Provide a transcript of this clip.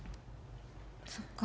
そっか。